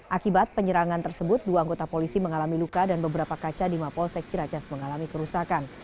akibat penyerangan tersebut dua anggota polisi mengalami luka dan beberapa kaca di mapolsek ciracas mengalami kerusakan